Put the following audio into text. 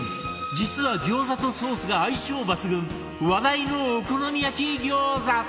実は餃子とソースが相性抜群話題のお好み焼き餃子